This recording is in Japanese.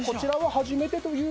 初めて。